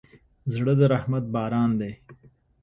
زړه د رحمت باران دی.